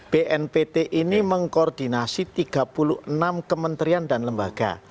bnpt ini mengkoordinasi tiga puluh enam kementerian dan lembaga